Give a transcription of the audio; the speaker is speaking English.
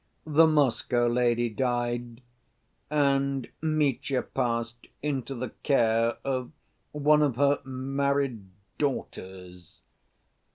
The Moscow lady died, and Mitya passed into the care of one of her married daughters.